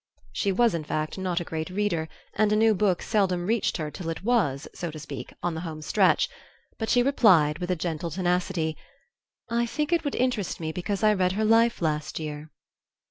She was, in fact, not a great reader, and a new book seldom reached her till it was, so to speak, on the home stretch; but she replied, with a gentle tenacity, "I think it would interest me because I read her life last year."